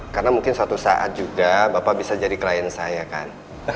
karena mungkin suatu saat juga bapak bisa jadi klien saya kan